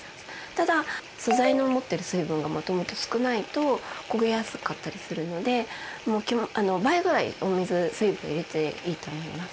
ただ素材の持ってる水分がもともと少ないと焦げやすかったりするので倍ぐらい水分を入れていいと思います。